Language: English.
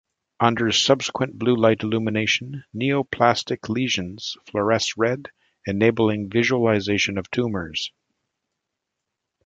Under subsequent blue light illumination, neoplastic lesions fluoresce red, enabling visualization of tumors.